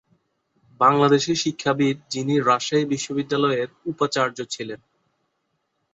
বাংলাদেশী শিক্ষাবিদ যিনি রাজশাহী বিশ্ববিদ্যালয়ের উপাচার্য ছিলেন।